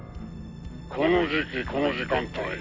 この時期この時間帯